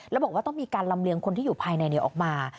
แล้วบอกว่าต้องมีการลำเลียงคนที่อยู่ภายในออกมา